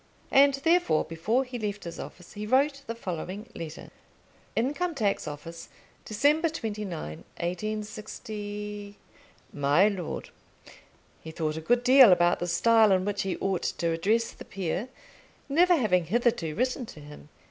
And, therefore, before he left his office he wrote the following letter: Income tax Office, December 29, 186 . MY LORD, He thought a good deal about the style in which he ought to address the peer, never having hitherto written to him.